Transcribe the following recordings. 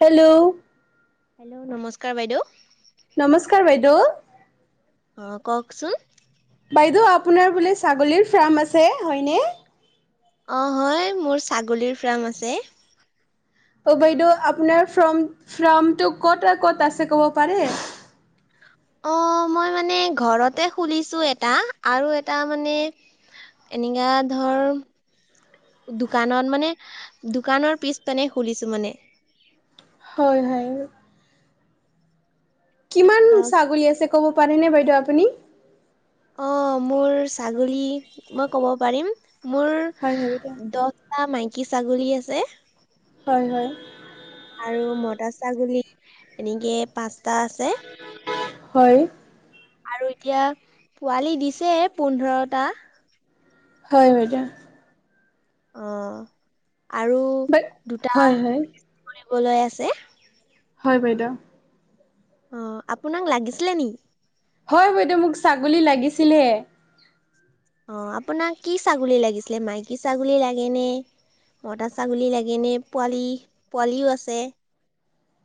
Hello! Hello নমস্কাৰ বাইদেউ। টো অ কওকচোন? বাইদেউ আপোনাৰ বোলে ছাগলীৰ ফ্ৰাৰ্ম আছে হয়নে? অ হয় মোৰ ছাগলীৰ ফ্ৰাৰ্ম আছে। অ বাইদেউ আপোনাৰ ফ্ৰম ফ্ৰমটো ক'ত ক'ত আছে ক'ব পাৰে? [unintelligible] অ মই মানে ঘৰতে খুলিছো এটা আৰু এটা মানে এনেকা ধৰ দোকানত মানে, দোকানৰ পিছ পানে খুলিছো মানে। হয় হয়। কিমান অ ছাগলী আছে ক'ব পাৰেনে বাইদেউ আপুনি। অ মোৰ ছাগলী মই ক'ব পাৰিম। মোৰ হয় হয় বাইদেউ দহটা মাইকী ছাগলী আছে। হয় হয়। আৰু মত ছাগলী এনেকে পাঁচটা আছে। হয়। আৰু এতিয়া পোৱালি দিছে পোন্ধৰটা। হয় বেদাম। অ আৰু বাই দুটা হয় হয় বলৈ আছে। হয় বাইদেউ। অ আপোনাক লাগিছিলে নি? হয় বাইদেউ মোক ছাগলী লাগিছিলহে। অ আপোনাক কি ছাগলী লাগিছিলে মাইকী ছাগলী লাগেনে মতা ছাগলী লাগেনে পোৱালি পোৱালিও আছে?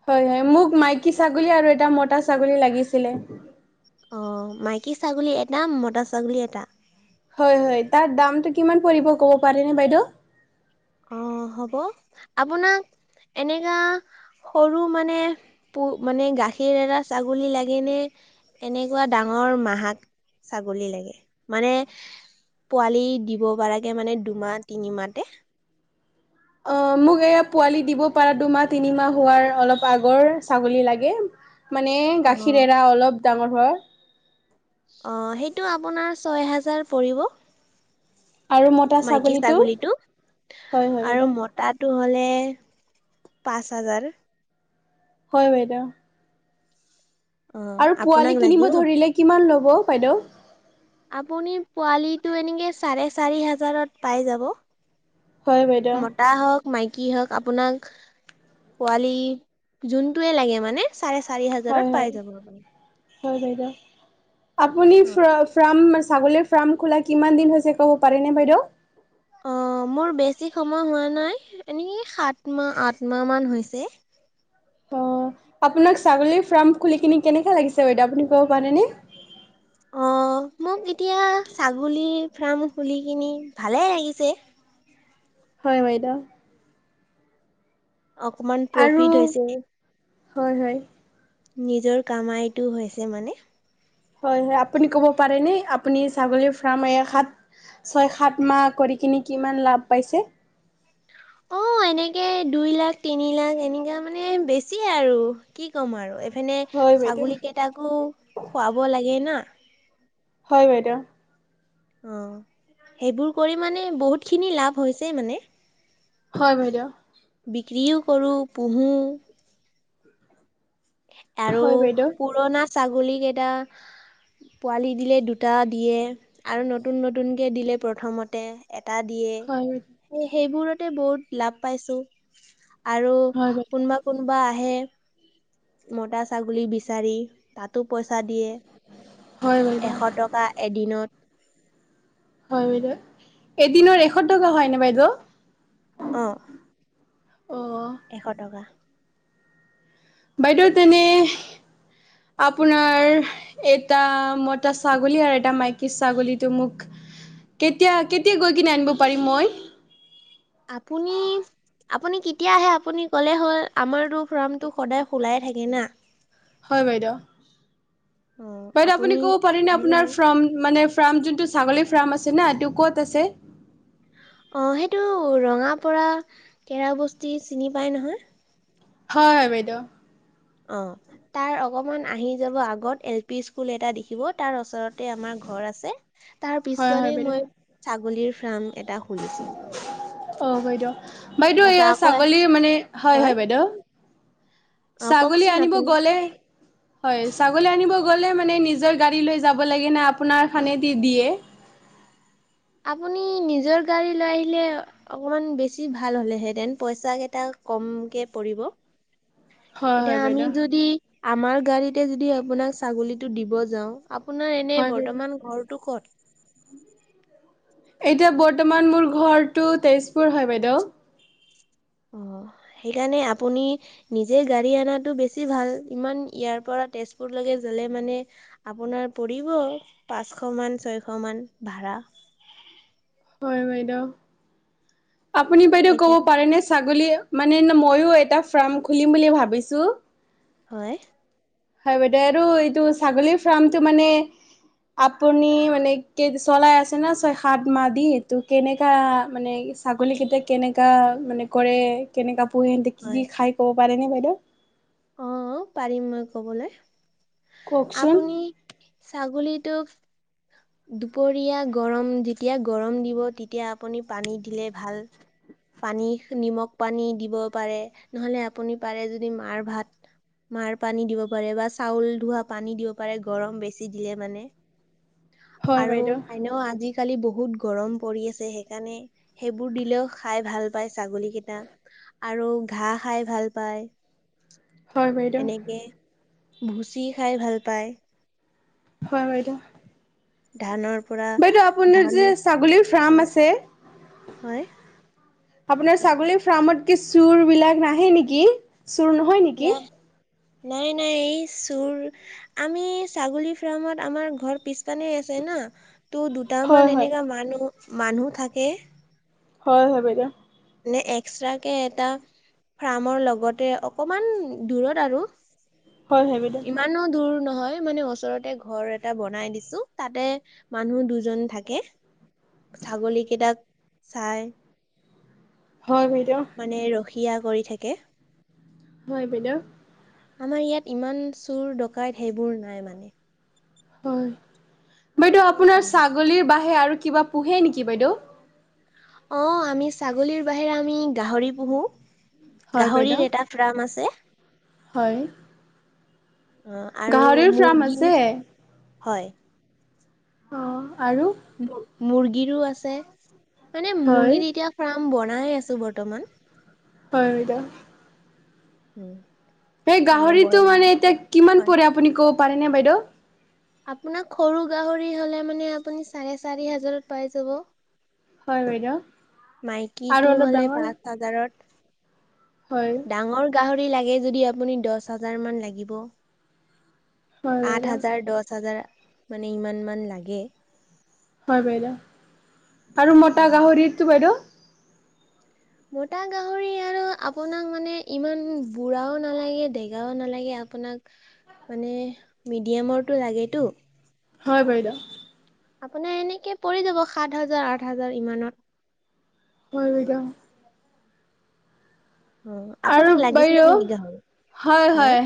হয় হয় মোক মাইকী ছাগলী আৰু এটা মটা ছাগলী লাগিছিলে। অ মাইকী ছাগলী এটা মতা ছাগলী এটা। হয় হয় তাৰ দামটো কিমান পৰিব ক'ব পাৰেনে বাইদেউ? অ হ'ব, আপোনাক এনেকা সৰু মানে প মানে গাখীৰ এৰা ছাগলী লাগেনে এনেকুৱা ডাঙৰ মাহাক ছাগলী লাগে? মানে পোৱালি দিব পাৰাকে মানে দুমাহ তিনিমাহতে। অ। মোক এয়া পোৱালি দিব পাৰা দুমাহ তিনিমাহ হোৱাৰ অলপ আগৰ ছাগলী লাগে। মানে গাখীৰ অ' এৰা অলপ ডাঙৰ হ অ সেইটো আপোনাৰ ছয় হাজাৰ পৰিব। আৰু মতা মাইকী ছাগলীটো হয়, হয় আৰু বাইদেউ। মতাটো হলে পাঁচ হাজাৰ। হয় বাইদেউ। অ আৰু পোৱালি আপোনাক কিনিব লাগিব? ধৰিলে কিমান ল'ব বাইদেউ? আপুনি পোৱালীটো এনেকে চাৰে চাৰি হাজাৰত পাই যাব। হয় বাইদেউ। মতা হওক মাইকী হওক আপোনাক পোৱালি যোনটোয়ে লাগে মানে চ হয় হয় হয় বাইদেউ আপুনি ফ্ৰা ফ্ৰাম আচ ছাগলীৰ ফ্ৰাম খোলা কিমান দিন হৈছে ক'ব পাৰিনে বাইদেউ? অ মোৰ বেছি সময় হোৱা নাই এনেই সাত মাহ আঠ মাহ মান হৈছে। হয়। অ আপোনাক ছাগলী ফাৰ্ম খুলি কিনি কেনেকে লাগিছে বাইদেউ আপুনি ক'ব পাৰেনে। [inaudible] অ মোক এতিয়া ছাগলীৰ ফাৰ্ম খুলি কিনি ভালে লাগিছে। হয় বাইদেউ। অকমান আৰু প্ৰফিট হৈছে হয় হয় নিজৰ কামাইটো হৈছে মানে হয় হয় আপুনি কব পাৰে নে আপুনি ছাগলী ফাৰ্ম এসাত ছয় সাতমাহ কৰি কিনি কিমান লাভ পাইছে [inaudible] অ এনেকে দুই লাখ তিনি লাখ এনেকা মানে বেছি আৰু কি ক'ম আৰু মানে হয় বাইদেউ ছাগলী কেইটাকো খুৱাব লাগে না হয় বাইদেউ? অ, সেইবোৰ কৰি মানে বহুতখিনি লাভ হৈছে মানে। হয় বাইদেউ। বিক্ৰীও কৰোঁ, পোহোঁ। আৰু হয় বাইদেউ পুৰণা ছাগলী কেইটা পোৱালি দিলে দুটা দিয়ে আৰু নতুন নতুনকৈ দিলে প্ৰথমতে এট এটা দিয়ে, হয় বাইদেউ সে সেইবোৰতে বহুত লাভ পাইছোঁ। আৰু হয় বাইদেউ কোনবা কোনোবা আহে মতা ছাগলী বিচাৰি তাতো পইচা দিয়ে হয় বাইদেউ এশ টকা এদিনত হয় বাইদেউ। এদিনৰ এশটকা হয়নে বাইদেউ? অ অ এশ টকা। বাইদেউ তেনে আপোনাৰ এটা মতা ছাগলী আৰু এটা মাইকী ছাগলীটো মোক কেতিয়া কেতিয়া গৈ কিনে আনিব পাৰিম মই আপুনি আপুনি কেতিয়া আহে আপুনি কলে হ'ল আমাৰতো ফাৰ্মতো সদায় খোলাই থাকে না হয় বাইদেউ। অ বাইদেউ আপোনি আপুনি ক'ব পাৰে নে আহিলে আপোনাৰ হ'ল ফৰ্ম মানে ফ্ৰামতোটো ছাগলী ফ্ৰাম আছে না এইটো ক'ত আছে অ সেইটো ৰঙা পৰা কেৰা বস্তি চিনি পাই নহয় হয় হয় বাইদেউ অ তাৰ অকমান আহি যাব আগত এল পি স্কুল এটা দেখিব তাৰ ওচ ৰতে আমাৰ ঘৰ আছে তাৰ হয় হয় পিছফালে বাইদেউ মই ছাগলীৰ ফ্ৰাম এটা খুলিছোঁ [unintelligible] অ বাইদেউ বাইদেউ এয়া আকৌ ছাগলীৰ মানে হয় হয় বাইদেউ অ ছাগলী কওকচোন আনিব আপুনি গ'লে হয় ছাগলী আনিব গলে মানে নিজৰ গাড়ী লৈ যাব লাগে না আপোনাৰ খানেদি দিয়ে [unintelligible] [unintelligible] [inaudible] আপুনি নিজৰ গাড়ী লৈ আহিলে অকমান বেছি ভাল হ'লেহেঁতেন পইচা কেইটা কমকে পৰিব হয় হয় এতিয়া আমি বাইদেউ যদি আমাৰ গাড়ীতে যদি আপোনাক ছাগলীতটো দিব যাওঁ আপোনাৰ এনে হয় বাইদেউ বৰ্তমান ঘৰটো ক'ত? এতিয়া বৰ্তমান মোৰ ঘৰটো তেজপুৰ হয় বাইদেউ অ সেইকাৰণে আপুনি নিজে গাড়ী অনাটোও বেছি ভাল ইমান ইয়াৰ পৰা তেজপুৰলৈকে গলে মানে আপোনাৰ পৰিব পাঁচশ মান ছয়শ মান ভাড়া [unintelligible] [inaudible] হয় বাইদেউ আপুনি বাইদেউ কব সেইকাৰণে পাৰেনে ছাগলী মানে ময়ো এটা ফাৰ্ম খুলিম বুলি ভাবিছোঁ হয় হয় বাইদেউ আৰু এইটো ছাগলীৰ ফাৰ্মটো মানে আপুনি মানে চলাই আছে ন ছয়, সাত মাহ দি তটো কেনেকা মানে। ছাগলীকেইটায়া কেনেকা মানে কৰে কেনেকা। পুহিতে কি হয় কি খাই ক'ব পাৰে ন বাইদেউ অ পাৰিম মই কবলৈ কওকচোন আপুনি ছাগলীত। টো। দুপৰীয়া গৰম যেতিয়া গৰম দিব তেতিয়া আপুনি পানী দিলে ভাল। পানী নিমখ পানী দিব পাৰে নহলে আপুনি পাৰে যদি মাৰ ভাত। উম। মাৰ পানী দিব পাৰে বা চাউল ধোৱা পানী দিব পাৰে গৰম বেছি দিলে মানে। হয় আৰু বাইদেউ এনেও আজিকালি বহুত গৰম পৰি আছে সেইকাৰণে সেইবোৰ দিলেও খাই ভাল পায় ছাগলী কেইটা আৰু ঘাঁহ খাই ভাল পাই হয় বাইদেউ। ভুচি খাই ভাল পায়। হয় হয় বাইদেউ। ধানৰ পৰা বাইদেউ আপোনাৰ ধান যে ছাগলীৰ ফাৰ্ম হয় আছে। হয় আপোনাৰ ছাগলীৰ ফাৰ্মত কি চুৰ বিলাক নাহে নেকি। চুৰ নহয় না নেকি? নাই নাই এই চোৰ আমি ছাগলী ফাৰ্মত আমাৰ ঘৰ পিছ পানে আছে। না ত' হয় দুটামান হয় এনেকা মানুহ মানুহ থাকে। হয় হয় বাইদেউ। নে এক্সট্ৰাকে এটা ফাৰ্মৰ লগতে অকমান দূৰত আৰু হয় হয় বাইদেউ ইমানো দূৰ। নহয় মানে ওচৰতে ঘৰ এটা বনাই দিছো তাতে মানুহ দুজন থাকে। ছাগলীকেইটাক চাই। হয় বাইদেউ। সিয়া কৰি থাকে। হয় বাইদেউ। আমাৰ ইয়াত ইমান চোৰ ডকাইত সেইবোৰ নাই মানে হয় বাইদেউ আপোনাৰ ছাগলীৰ বাহে আৰু কিবা পোহে নেকি বাইদেউ। অ আমি ছাগলীৰ বাহিৰে আমি গাহৰি পোহো। হয় বাইদেউ গাহৰিৰ এটা ফ্ৰ্ম আছে। হয় অ আৰু গাহৰিৰ ফাৰ্ম মুৰ্গী আছে হয় অ আৰু মুৰ্গীৰো আছে মানে হয় মুৰ্গী এতিয়া ফাৰ্ম বনাই আছো বৰ্তমান। হয় বাইদেউ। উম সেই মানে গাহৰিতটো ব্ৰইলাৰ মানে এতিয়া কিমান হয় পৰে আপুনি ক'ব পাৰেনে বাইদেউ। আপোনাক সৰু গাহৰি হলে মান যাব। হয় বাইদেউ আৰু মাইকীটো অলপ হলে ডাঙৰ পাঁচ হাজাৰত হয় ডাঙৰ গাহৰি লাগে যদি আপুনি দহ হাজাৰ মান লাগিব হয় আঠ বাইদেউ হাজাৰ দহ হাজাৰ মানে ইমান মান লাগে। হয় বাইদেউ আৰু অ মতা গাহৰিতটো বাইদেউ। মতা গাহৰি আৰু আপোনাক মানে ইমান বুঢ়াও নালাগে ডেগাও নালাগে। আপোনাক মানে মিডিয়ামৰটো লাগেতটো। হয় বাইদেউ আপোনাৰ এনেকে পৰি যাব সাত হাজাৰ, আঠ হাজাৰ ইমানৰ হয় বাইদেউ। অ আৰু আপোনাক লাগিছিলে বাইদেউ, নেকি গাহৰি হয় হয়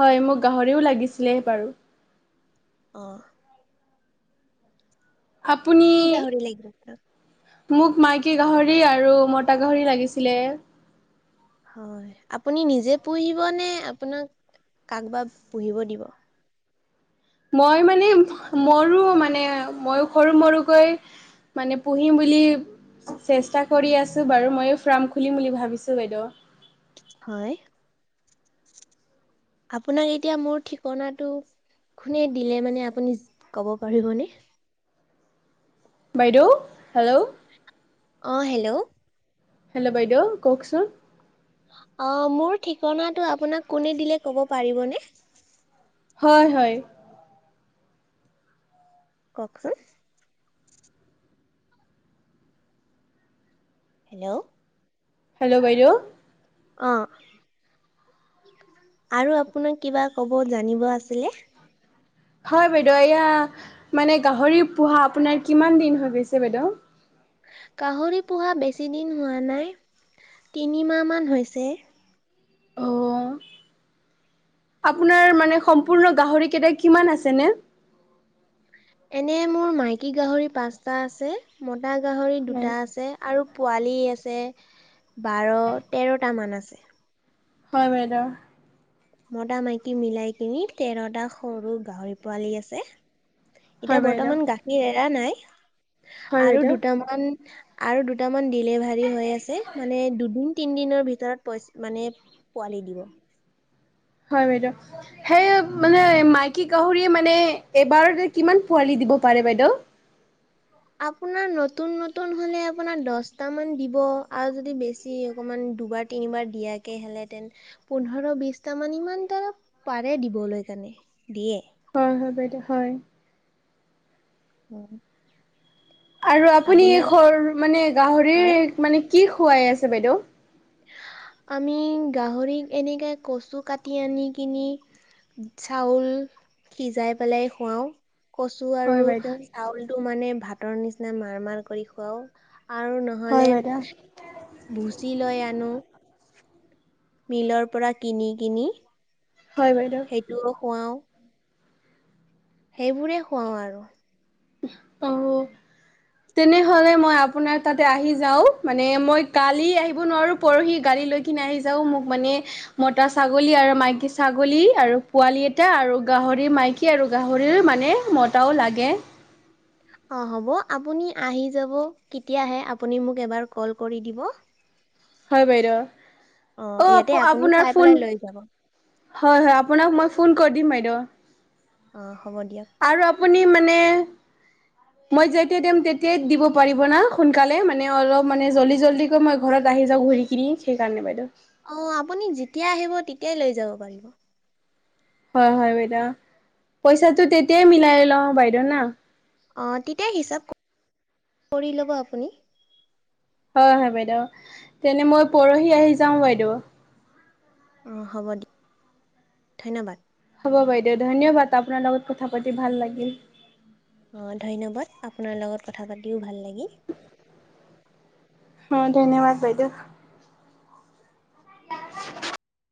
হয় মোক গাহৰিও লাগিছ নেহ বাৰু। অহ। আপুনি কি গাহৰি লাগিব আপোনাক? মোক মাইকী গাহৰি, আৰু মতা গাহৰি লাগিছিলে। হয়, আপুনি নিজে পুহিব নে, আপোনাক কাক বা পুহিব দিব? মই মানে মৰো মানে ময়ো সৰু মৰু কৈ মানে পুহিম বুলি চেষ্টা কৰি আছো বাৰু, ময়ো ফ্ৰাম খুলিম বুলি ভাবিছো বাইদ। হয়। আপোনাক এতিয়া মোৰ ঠিকনাটো কোনে দিলে মানে? আপুনি ক'ব পাৰিব নে? বাইদেউ হেল্ল' অঁ হেল্ল' হেল্ল' বাইদেউ, কওকচোন অ, মোৰ ঠিকনাটো আপোনাক কোনে দিলে ক'ব পাৰিবনে? হয় হয়। কওকচোন? হেল্ল'? হেল্ল' বাইদেউ? অ। আৰু আপোনাক কিবা ক'ব জানিব আছিলে? হয় বাইদউ, এয়া মানে গাহৰি পোহা আপোনাৰ কিমান দিন হৈ গৈছে বাইদেউ? গাহৰি পোহা বেছি দিন হোৱা নাই। তিনিমাহ মান হৈছে। অঁ। আপোনাৰ মানে সম্পূৰ্ণ গাহৰি কেইটা কিমান আছেনে? এনে মোৰ মাইকী গাহৰি পাঁচটা আছে, মতা গাহৰি দুটা হয় আছে আৰু পোৱালি আছে বাৰ- তেৰটামান আছে। হয় বাইদ। মতা-মাইকী মিলাই কিনি তেৰটা সৰু গাহৰি পোৱালী আছে। হয় এতিয়া বাইদেউ বৰ্তমান গাখীৰ এৰা নাই, হয় আৰু বাইদেউ দুটামান আৰু দুটামান ডিলেভাৰি হৈ আছে, মানে দুদিন তিন দিনৰ ভিতৰত পইচ মানে পোৱালি দিব। হয় বাইদেউ, সেই মানে মাইকী গাহৰিয়ে মানে এবাৰতে কিমান পোৱালি দিব পাৰে বাইদেউ? আপোনাৰ নতুন নতুন হলে আপোনাৰ দহটা মান দিব আৰু যদি বেছি অকমান দুবাৰ -তিনিবাৰ দিয়াকে হেলে তেন পোন্ধৰ, বিশটা মান ইমান তা পাৰে দিবলৈ। চানি দিয়ে? হয় হয় বাইদেউ হয়। উম। আৰু আপুনি আপোনাৰ খৰ মানে, হয় গাহৰিক মানে, কি খোৱাই আছে বাইদেউ? আমি গাহৰিক এনেকে কচু কাটি আনি কিনি চাউল সিজাই পেলাই খুৱাও। কচু হয় আৰু বাইদেউ চাউলটো মানে ভাতৰ নিচিনা মাৰ-মাৰ কৰি খুৱাও। আৰু হয় নহলে বাইদেউ। ভূচি লৈ আনো। মিলৰ পৰা কিনি -কিনি। হয়, বাইদেউ। কৱাও সেইবোৰে খুৱাওঁ আৰু অ', তেনেহলে মই আপোনাৰ তাতে আহি যাও মানে মই কালি আহিব নোৱাৰো পৰহি গাৰি লৈ কিনে আহি যাও মোক মানে মতা ছাগলী আৰু মাইকী ছাগলী আৰু পোৱালী এটা আৰু গাহৰি মাইকী আৰু গাহৰি মানে মতাও লাগে অগ, হ'ব আপুনি আহি যাব কেতিয়া আহে আপুনি মোক এবাৰ কল কৰি দিব। হয়, বাইদউ। ইয়াতে অ', আপুনি আপোনাৰ চাই পেলাই ফোন লৈ যাব হয়- হয় আপোনাক মই ফোন কৰি দিম বাইদেউ। অ। হ'ব দিয়ক আৰু আপুনি মানে। মই যেতিয়াই দিম তেতিয়াই দিব পাৰিব না সোনকালে মানে অলপ মানে জলদি জলদি কৈ মই ঘৰত আহি যা ঘূৰি কিনি সেইকাৰণে বাইদউ। অ আপুনি যেতিয়া আহিব তেতিয়াই লৈ যাব পাৰিব। হয় হয় বাইদেউ, পইচাটো তেতিয়াই মিলাই ল বাইদেউ না। অ তেতিয়া হিচাপ কৰি ল'ব আপুনি। হয় -হয় বাইদেউ তেনে মই পৰহি আহি যাও বাইদেউ? অহ, হ'ব দি ধন্যবাদ। হ'ব বাইদেউ ধন্যবাদ আপোনাৰ লগত কথা পাতি ভাল লাগিল। অহ, ধন্যবাদ আপোনাৰ লগত কথা পাতিও ভাল লাগিল। অহ, ধন্যবাদ বাইদেউ। [unintelligible]